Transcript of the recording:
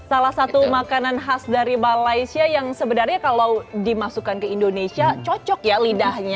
salah satu makanan khas dari malaysia yang sebenarnya kalau dimasukkan ke indonesia cocok ya lidahnya